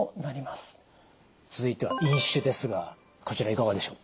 続いては飲酒ですがこちらいかがでしょう？